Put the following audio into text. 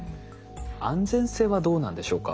安全性はどうなんでしょうか？